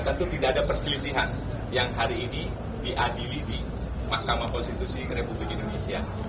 tentu tidak ada perselisihan yang hari ini diadili di mahkamah konstitusi republik indonesia